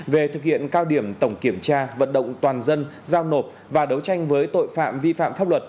về thực hiện cao điểm tổng kiểm tra vận động toàn dân giao nộp và đấu tranh với tội phạm vi phạm pháp luật